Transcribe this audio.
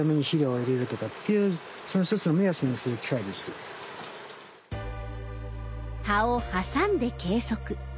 例えば葉を挟んで計測。